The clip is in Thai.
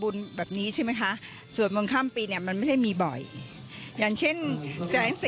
พร้อมกับมองว่าการสวดมนต์ข้ามปีมีเพียงปีละหนึ่งครั้ง